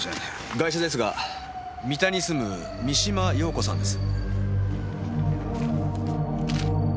ガイシャですが三田に住む三島陽子さんです。